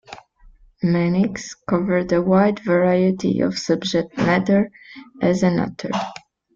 Mannix covered a wide variety of subject matter as an author.